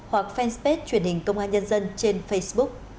hoặc fanpage truyền hình công an nhân dân trên facebook